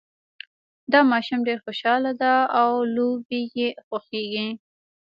دا ماشوم ډېر خوشحاله ده او لوبې یې خوښیږي